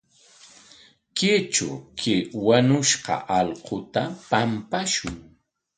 Kaytraw kay wañushqa allquta pampashun.